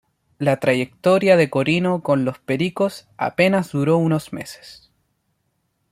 La trayectoria de Corino con los "pericos" apenas duró unos meses.